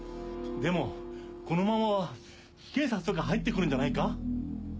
でもこのままは警察とか入って来るんじゃないか？